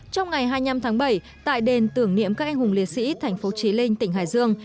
trong ngày hai mươi năm tháng bảy tại đền tưởng niệm các anh hùng liệt sĩ thành phố trí linh tỉnh hải dương